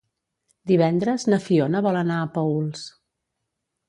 Divendres na Fiona vol anar a Paüls.